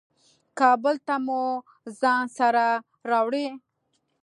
کابل ته مو ځان سره راوړې.